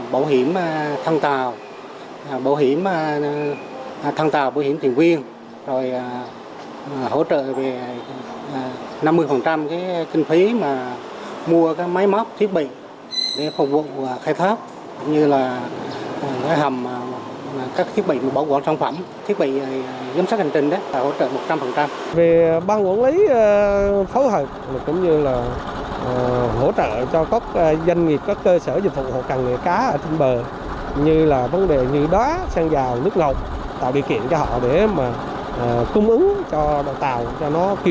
bảo hiểm thăng tàu bảo hiểm thăng tàu bảo hiểm tiền quyền rồi hỗ trợ về năm mươi phần trăm cái kinh